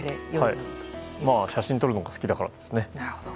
写真撮るのが好きだからですね。